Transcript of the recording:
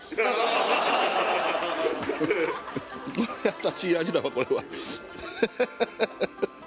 優しい味だわこれはハハハ